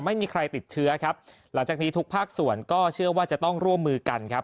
ไม่มีใครติดเชื้อครับหลังจากนี้ทุกภาคส่วนก็เชื่อว่าจะต้องร่วมมือกันครับ